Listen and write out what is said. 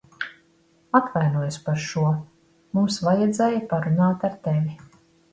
Atvainojos par šo. Mums vajadzēja parunāt ar tevi.